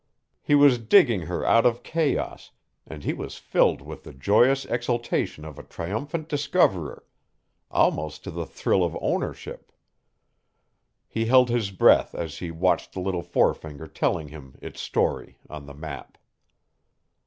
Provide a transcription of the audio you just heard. He was digging her out of chaos, and he was filled with the joyous exultation of a triumphant discoverer almost the thrill of ownership. He held his breath as he watched the little forefinger telling him its story on the map.